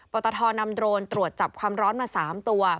ตทนำโดรนตรวจจับความร้อนมา๓ตัว